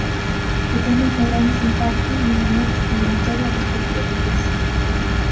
Pretenden cobrarnos un párking de maneira discriminatoria respecto dos vigueses.